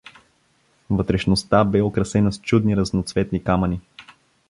Вътрешността бе украсена с чудни разноцветни камъни.